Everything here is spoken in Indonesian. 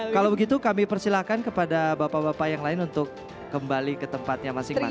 kalau begitu kami persilahkan kepada bapak bapak yang lain untuk kembali ke tempatnya masing masing